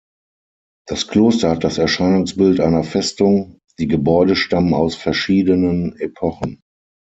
Das Kloster hat das Erscheinungsbild einer Festung, die Gebäude stammen aus verschiedenen Epochen.